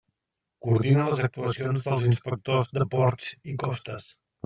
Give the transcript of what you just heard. Coordina les actuacions dels inspectors de ports i costes.